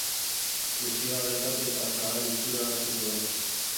Fusioa gertatu eta zahar itxura hartu zuen.